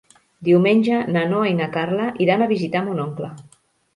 Diumenge na Noa i na Carla iran a visitar mon oncle.